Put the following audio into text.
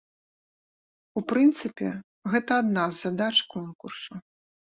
У прынцыпе, гэта адна з задач конкурсу.